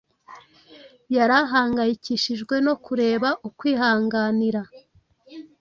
Yari ahangayikishijwe no kureba ukwihanganira